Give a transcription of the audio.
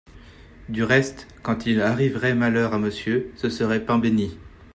Du reste, quand il arriverait malheur à Monsieur… ce serait pain bénit…